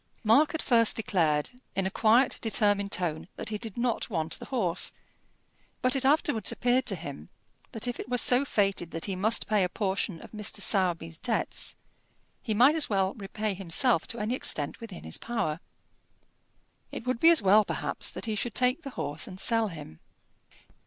Mark at first declared, in a quiet, determined tone, that he did not want the horse; but it afterwards appeared to him that if it were so fated that he must pay a portion of Mr. Sowerby's debts, he might as well repay himself to any extent within his power. It would be as well perhaps that he should take the horse and sell him.